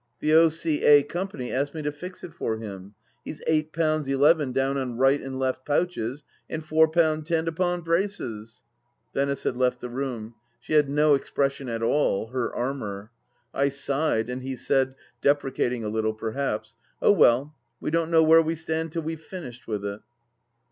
The O.C.A.Coy. asked me to fix it for him. He's eight pounds eleven down on right and left pouches, and four pound ten upon braces !" Venice had left the room. She had no expression at all — her armour. I sighed, and he said — deprecating a little, perhaps ?—" Oh, well, we don't know where we stand till we've finished with it."